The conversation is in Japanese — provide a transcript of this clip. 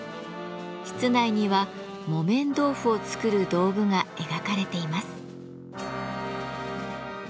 室内には木綿豆腐を作る道具が描かれています。